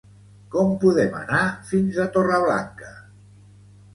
Com podem anar fins a Torreblanca?